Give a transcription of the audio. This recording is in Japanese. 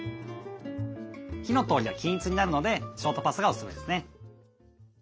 火の通りが均一になるのでショートパスタがおすすめですね。